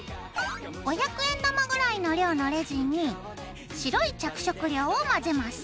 ５００円玉ぐらいの量のレジンに白い着色料を混ぜます。